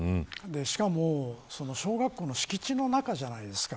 しかも、小学校の敷地の中じゃないですか。